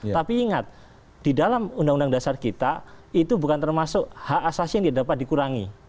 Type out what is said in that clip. tapi ingat di dalam undang undang dasar kita itu bukan termasuk hak asasi yang tidak dapat dikurangi